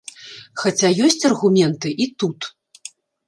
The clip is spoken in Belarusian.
Хаця ёсць аргументы і тут.